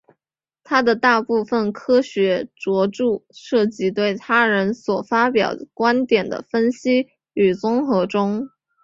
他的大部分科学着作涉及对他人所发表观点的分析与综合中。